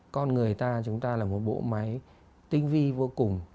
con người ta chúng ta là một bộ máy tinh vi vô cùng